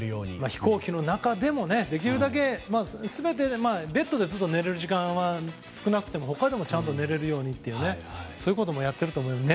飛行機の中でもできるだけベッドでずっと寝られる時間は少なくても、他でもちゃんと寝られるようにということもやっていると思います。